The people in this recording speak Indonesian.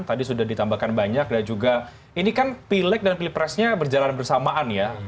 tadi sudah ditambahkan banyak dan juga ini kan pileg dan pilpresnya berjalan bersamaan ya